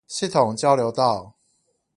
系統交流道